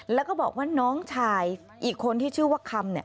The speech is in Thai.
แล้วก็บอกว่าน้องชายอีกคนที่ชื่อว่าคำเนี่ย